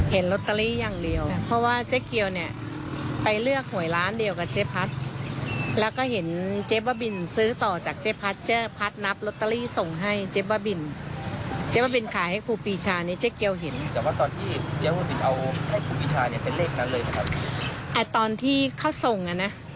ให้คุณพิชาเนี้ยเป็นเลขนั้นเลยไหมครับอ่าตอนที่เขาส่งอ่ะน่ะ